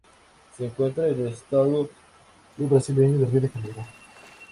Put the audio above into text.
Se encuentra en estado brasileño de Río de Janeiro.